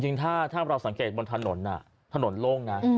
จริงถ้าเราสังเกตบนถนนถนนโล่งนะ